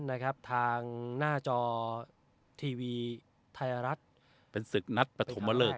นะครับทางหน้าจอทีวีไทยรัฐเป็นศึกนัดปฐมเลิก